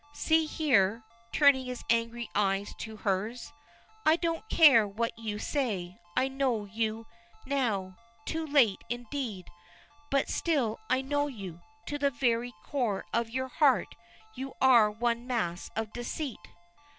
"See here," turning his angry eyes to hers. "I don't care what you say, I know you now. Too late, indeed but still I know you! To the very core of your heart you are one mass of deceit."